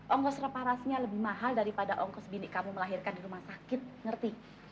ongkos reparasinya lebih mahal daripada ongkos bini kamu melahirkan di rumah sakit ngerti